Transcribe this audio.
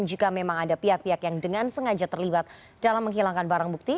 jika memang ada pihak pihak yang dengan sengaja terlibat dalam menghilangkan barang bukti